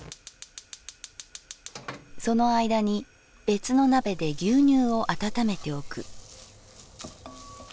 「その間に別の鍋で牛乳を温めておく」。